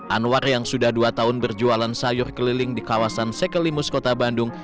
anwar yang sudah dua tahun berjualan sayur keliling di kawasan sekelimus kota bandung